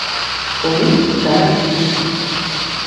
Linux dara visu.